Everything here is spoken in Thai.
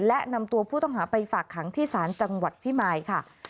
และนำตัวผู้ต้องหาไปฝากขังที่ศาลจังหวัดพิมายค่ะ